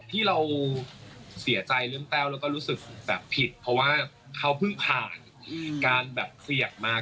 ที่เราเสียใจเรื่องแต้วแล้วก็รู้สึกแบบผิดเพราะว่าเขาเพิ่งผ่านการแบบเสี่ยงมา